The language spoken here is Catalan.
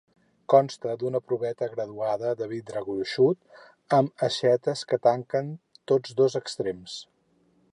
Consta d'una proveta graduada, de vidre gruixut, amb aixetes que tanquen tots dos extrems.